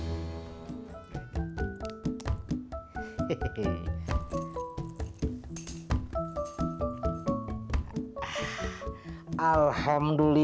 apa lo gak bilang dari tadi